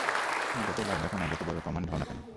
তুমি যতই লাশ দেখো না যতো বড় কমান্ড হও না কেন।